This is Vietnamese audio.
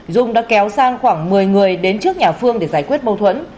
dung đã kéo sang khoảng một mươi người đến trước nhà phương để giải quyết mâu thuẫn